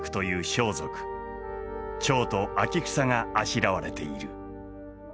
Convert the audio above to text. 蝶と秋草があしらわれている。